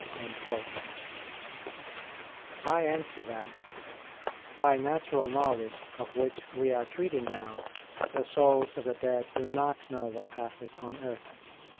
I answer that, By natural knowledge, of which we are treating now, the souls of the dead do not know what passes on earth.